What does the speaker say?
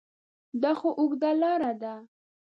دا خو اوږده لاره ده ؟